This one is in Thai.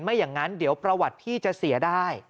อย่างนั้นเดี๋ยวประวัติพี่จะเสียได้